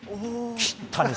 切ったね。